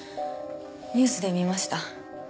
ニュースで見ました。